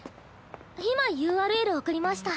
今ＵＲＬ送りました。